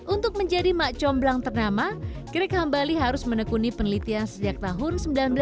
untuk menjadi mak comblang ternama greg hambali harus menekuni penelitian sejak tahun seribu sembilan ratus sembilan puluh